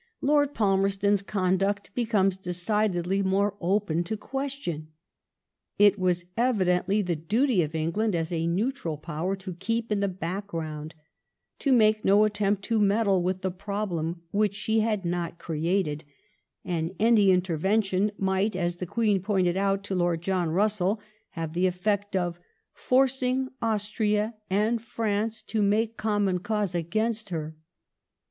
Lord Palmerston's conduct becomes decidedly more open to question. It was evidently the duty of England, as a neutral Power, to keep in the background, to make no attempt to meddle with the problem which she had not created, and any intervention might, as the Queen pointed out to Lord John Bussell, have the e£fect of '' forcing Aus tria and France to make common cause against her.